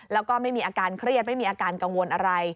แล้วก็ไม่มีอาการเครียดไม่มีอาการกังวลอะไร